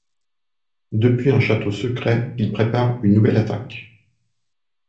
Depuis un château secret, il prépare une nouvelle attaque...